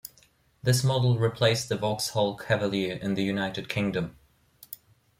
This model replaced the Vauxhall Cavalier in the United Kingdom.